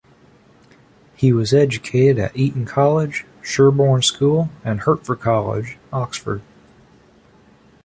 He was educated at Eton College, Sherborne School and Hertford College, Oxford.